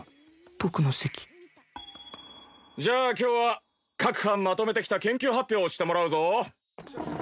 僕の席じゃあ今日は各班まとめてきた研究発表をしてもらうぞ。